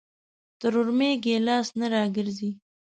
تر اورمېږ يې لاس نه راګرځي.